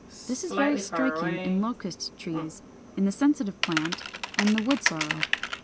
This is very striking in Locust trees, in the Sensitive Plant (Fig. 490), and in Woodsorrel.